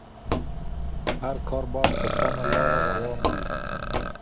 هر کار بايد په سمه لاره روان وي.